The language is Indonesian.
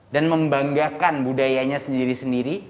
dan membanggakan budayanya sendiri sendiri